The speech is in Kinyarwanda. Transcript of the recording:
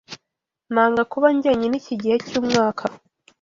Nanga kuba njyenyine iki gihe cyumwaka.